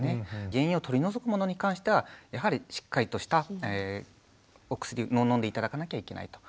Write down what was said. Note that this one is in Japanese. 原因を取り除くものに関してはやはりしっかりとしたお薬を飲んで頂かなきゃいけないと。